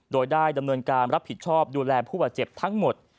โดยได้ดำเนินการรับผิดชอบดูแลผู้บาดเจ็บทั้งหมด